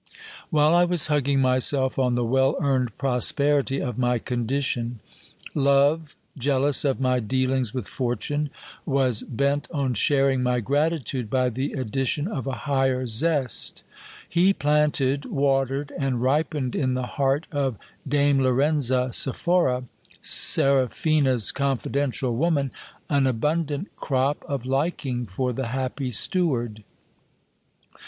\\ hile I was hugging myself on the well earned prosperity of my condition, love, jealous of my dealings with fortune, was bent on sharing my gratitude by the addition of a higher zest He planted, watered, and ripened in the heart of Darne Lorenza Sephora, Seraphina's confidential woman, an abundant crop of liking for the happy steward.